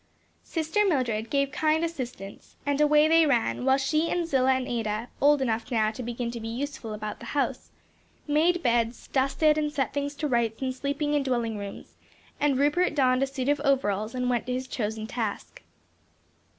Sister Mildred gave kind assistance, and away they ran, while she and Zillah and Ada, old enough now to begin to be useful about the house, made beds, dusted and set things to rights in sleeping and dwelling rooms, and Rupert donned a suit of overalls and went to his chosen task.